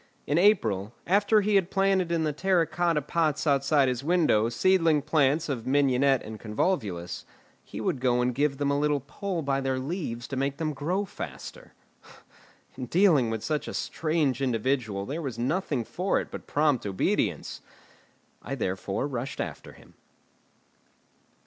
In April, after he had planted in the terra cotta pots outside his window seedling plants of mignonette and convolvulus, he would go and give them a little pull by their leaves to make them grow faster. In dealing with such a strange individual there was nothing for it but prompt obedience. I therefore rushed after him.